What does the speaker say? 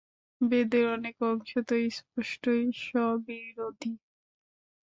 বেদের অনেক অংশ তো স্পষ্টই স্ববিরোধী।